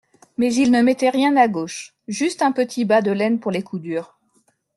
mais il ne mettait rien à gauche, juste un petit bas de laine pour les coups durs.